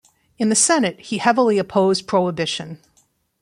In the Senate he heavily opposed Prohibition.